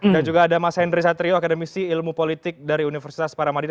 dan juga ada mas henry satrio akademisi ilmu politik dari universitas paramadina